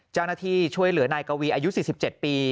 เจ้าหน้าที่ช่วยเหลือนายกวีอายุ๔๗ปี